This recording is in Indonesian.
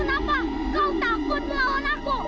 kenapa kau takut melawan aku